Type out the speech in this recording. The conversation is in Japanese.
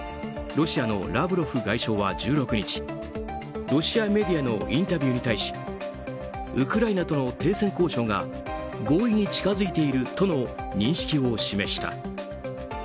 ロシアのラブロフ外相は１６日ロシアメディアのインタビューに対しウクライナとの停戦交渉が合意に近づいているとの認識を示した。